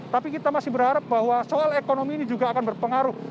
tapi kita masih berharap bahwa soal ekonomi ini juga akan berpengaruh